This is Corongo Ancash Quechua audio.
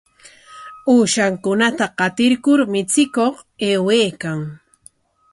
Ushankunata qatirkur michikuq aywaykan.